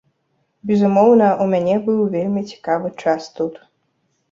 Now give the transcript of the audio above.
Безумоўна, у мяне быў вельмі цікавы час тут.